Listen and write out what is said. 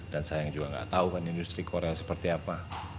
dan saya juga tidak tahu kan industri korea seperti apa